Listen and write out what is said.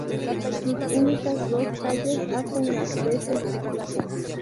Sus únicas dos calles hacen las veces de plaza.